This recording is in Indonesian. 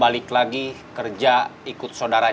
ada sesuatu kesakeran